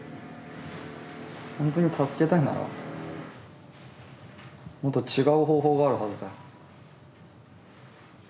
本当に助けたいならもっと違う方法があるはずだよ。